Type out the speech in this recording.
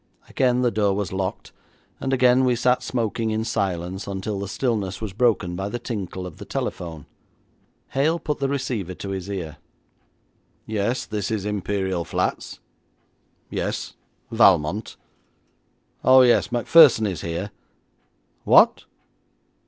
Again the door was locked, and again we sat smoking in silence until the stillness was broken by the tinkle of the telephone. Hale put the receiver to his ear. 'Yes, this is the Imperial Flats. Yes. Valmont. Oh, yes; Macpherson is here. What?